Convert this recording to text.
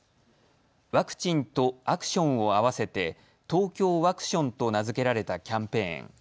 ワクチンとアクションを合わせてＴＯＫＹＯワクションと名付けられたキャンペーン。